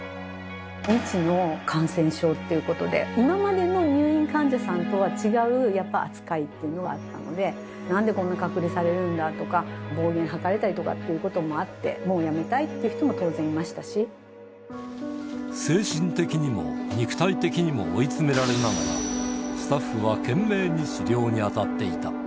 未知の感染症っていうことで、今までの入院患者さんとは違うやっぱ扱いっていうのはあったので、なんでこんな隔離されるんだとか、暴言吐かれたりとかっていうこともあって、もう辞めたいっていう精神的にも、肉体的にも追い詰められながら、スタッフは懸命に治療に当たっていた。